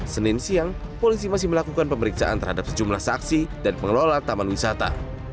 senin siang polisi masih melakukan pemeriksaan terhadap sejumlah saksi dan pengelola taman wisata